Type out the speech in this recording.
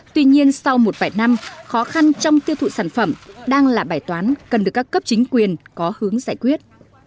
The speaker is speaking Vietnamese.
tuy nhiên sau một vài năm khó khăn trong tiêu thụ sản phẩm đang là bài toán cần được các cấp chính quyền có hướng giải quyết